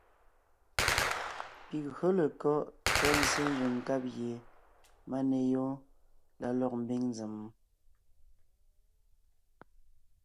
Pi gÿǒ lekɔ́ tá nzsé nzẅìŋ nkáb gie máneyoon la lɔg mbiŋ nzèm?